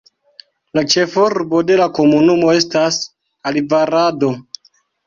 La ĉefurbo de la komunumo estas Alvarado.